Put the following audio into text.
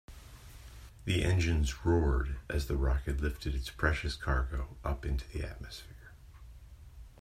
The engines roared as the rocket lifted its precious cargo up into the atmosphere.